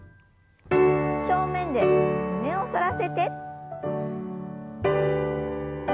正面で胸を反らせて。